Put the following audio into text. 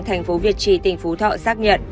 thành phố việt tri tỉnh phú thọ xác nhận